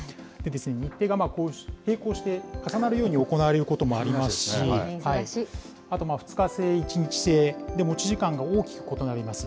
日程が並行して重なるように行われることもありますし、あと２日制、１日制、で、持ち時間が大きく異なります。